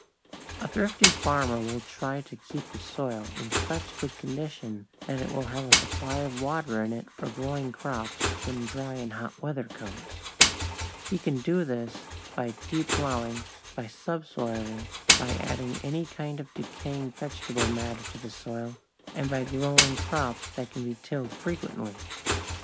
A thrifty farmer will try to keep his soil in such good condition that it will have a supply of water in it for growing crops when dry and hot weather comes. He can do this by deep plowing, by subsoiling, by adding any kind of decaying vegetable matter to the soil, and by growing crops that can be tilled frequently.